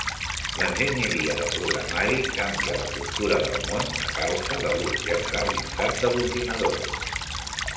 L'enginyeria de programari canvia la cultura del món a causa de l'ús generalitzat de l'ordinador.